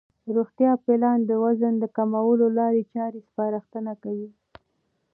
روغتیا پالان د وزن د کمولو لارې چارې سپارښتنه کوي.